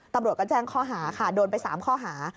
ตำรวจก็แจ้งข้อหาค่ะโดนไป๓ข้อหา